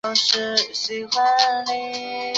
采用的处理器厂商包括德州仪器及英特尔。